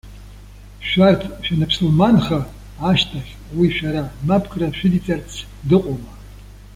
Шәарҭ шәаныԥсылманха ашьҭахь, уи шәара мапкра шәыдиҵарц дыҟоума?